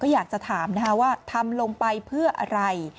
อยากจะถามนะคะว่าทำลงไปเพื่ออะไร